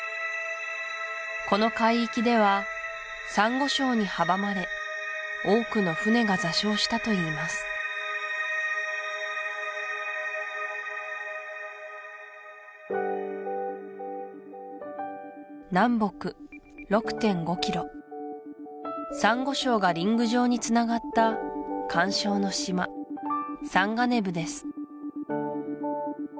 この海域ではサンゴ礁に阻まれ多くの船が座礁したといいます南北６．５キロサンゴ礁がリング状につながった環礁の島サンガネブです